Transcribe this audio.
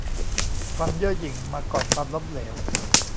ความเย่อหยิ่งมาก่อนความล้มเหลว